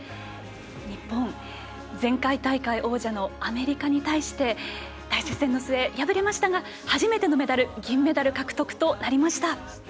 日本、前回大会王者のアメリカに対して大接戦の末、敗れましたが初めてのメダル銀メダル獲得となりました。